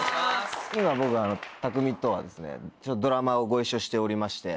今僕は匠海とはドラマをご一緒しておりまして。